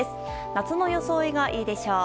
夏の装いがいいでしょう。